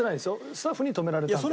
スタッフに止められたんだよ。